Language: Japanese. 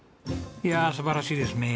いやあ素晴らしいですね。